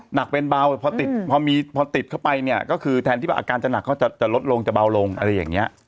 หนักเป็นเบาพอติดพอมีพอติดเข้าไปเนี่ยก็คือแทนที่อาการจะหนักเขาจะลดลงจะเบาลงอะไรอย่างนี้